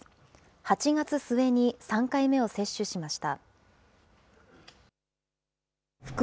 ８月末に３回目を接種しました。